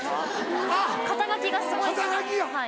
肩書がすごい。